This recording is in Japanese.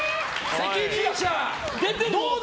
責任者。